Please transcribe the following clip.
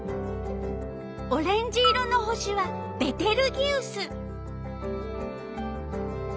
オレンジ色の星はベテルギウス。